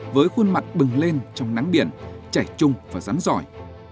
với khuôn mặt bừng lên trong nắng biển chảy chung và rắn giỏi